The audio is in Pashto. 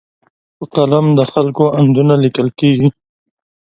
په قلم د خلکو اندونه لیکل کېږي.